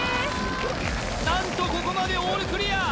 何とここまでオールクリア！